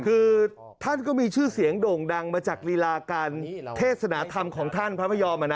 คือท่านก็มีชื่อเสียงโด่งดังมาจากลีลาการเทศนธรรมของท่านพระพยอม